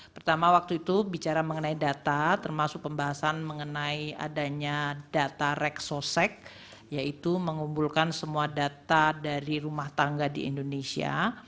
pertama waktu itu bicara mengenai data termasuk pembahasan mengenai adanya data reksosek yaitu mengumpulkan semua data dari rumah tangga di indonesia